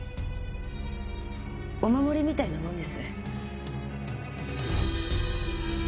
お守りみたいなもんです。